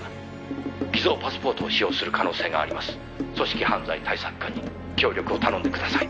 「組織犯罪対策課に協力を頼んでください」